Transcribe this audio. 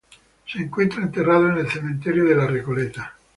Se encuentra enterrado en el Cementerio de la Recoleta.